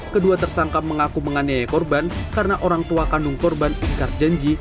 kedua tersangka mengaku menganiaya korban karena orang tua kandung korban ingkar janji